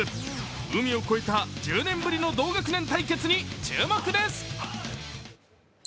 海を越えた１０年ぶりの同学年対決に注目です。